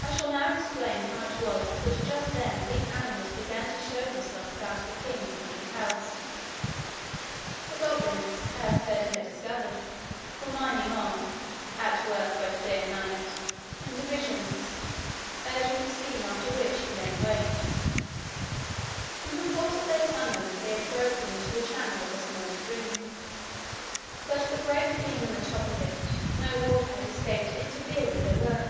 I shall now explain how it was that just then these animals began to show themselves about the king's country house. The goblins, as Curdie had discovered, were mining on at work both day and night, in divisions, urging the scheme after which he lay in wait. In the course of their tunnelling they had broken into the channel of a small stream, but the break being in the top of it, no water had escaped to interfere with their work.